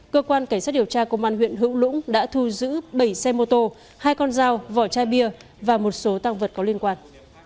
cơ quan cảnh sát điều tra công an huyện hữu lũng đã thu giữ bảy xe mô tô hai con dao vỏ chai bia và một số tăng vật có liên quan